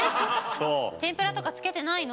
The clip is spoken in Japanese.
天ぷらとかつけてないの？